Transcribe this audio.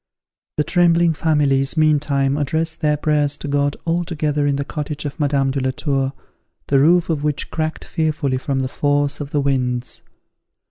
The trembling families meantime addressed their prayers to God all together in the cottage of Madame de la Tour, the roof of which cracked fearfully from the force of the winds.